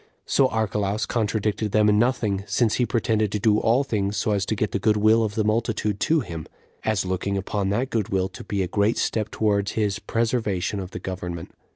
So Archelaus contradicted them in nothing, since he pretended to do all things so as to get the good will of the multitude to him, as looking upon that good will to be a great step towards his preservation of the government.